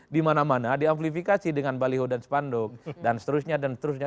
di mana mana di amplifikasi dengan baliho dan spanduk dan seterusnya dan seterusnya